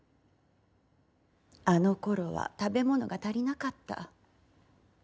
あのころは食べ物が足りなかった。